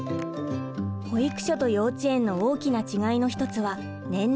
保育所と幼稚園の大きな違いの一つは年齢です。